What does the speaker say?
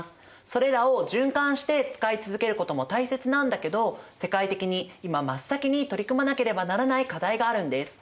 それらを循環して使い続けることも大切なんだけど世界的に今真っ先に取り組まなければならない課題があるんです。